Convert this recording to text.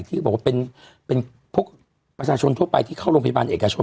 ที่พูดว่าเป็นคนที่เข้าโรงพยาบาลเอกชน